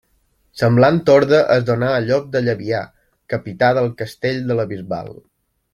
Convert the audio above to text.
Semblant ordre es donà a Llop de Llabià, capità del castell de la Bisbal.